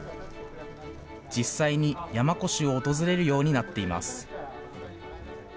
実際に山古志を訪れるようになっています。